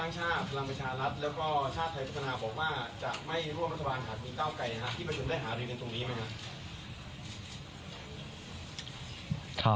มีเก้าไก่นะครับที่ประชุมได้หาอยู่กันตรงนี้ไหมนะครับ